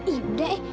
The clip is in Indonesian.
ih udah eh